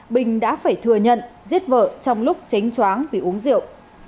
bình đã phải thừa nhận giết vợ trong lúc tránh choáng vì uống rượu